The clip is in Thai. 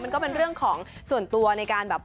ก็เป็นเรื่องของส่วนตัวในการแบบ